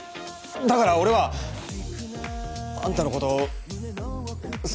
だから俺はあんたの事す。